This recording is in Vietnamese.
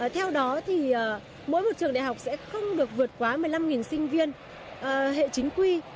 theo đó thì mỗi một trường đại học sẽ không được vượt quá một mươi năm sinh viên hệ chính quy